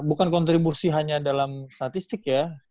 bukan kontribusi hanya dalam statistik ya